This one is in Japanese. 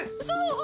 そう！